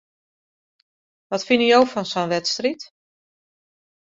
Wat fine jo fan sa'n wedstriid?